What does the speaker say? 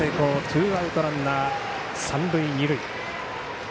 ツーアウトランナー、三塁二塁。